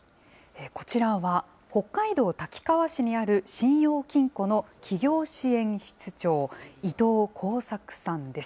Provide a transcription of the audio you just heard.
こちらは、北海道滝川市にある信用金庫の企業支援室長、伊藤貢作さんです。